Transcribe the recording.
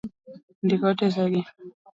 Ndik otese gi.